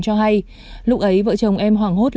cho hay lúc ấy vợ chồng em hoảng hốt